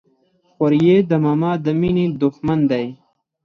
خوريي د ماما د ميني د ښمن دى.